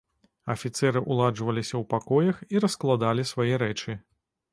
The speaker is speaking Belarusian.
Афіцэры ўладжваліся ў пакоях і раскладалі свае рэчы.